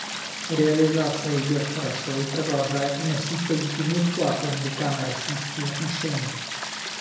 Реализация идет хорошо и продолжает вносить позитивный вклад в американо-российские отношения.